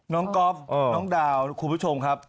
ก๊อฟน้องดาวคุณผู้ชมครับ